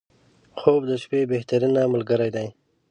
• خوب د شپې بهترینه ملګری دی.